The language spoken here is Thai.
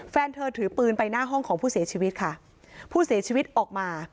แฟนเธอถือปืนไปหน้าห้องของผู้เสียชีวิตค่ะผู้เสียชีวิตออกมา